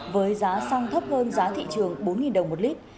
với giá xăng thấp hơn giá thị trường bốn đồng một lít